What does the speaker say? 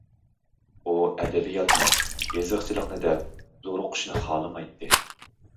ئۇ ئەدەبىياتنى، يېزىقچىلىقنى دەپ زورۇقۇشنى خالىمايتتى.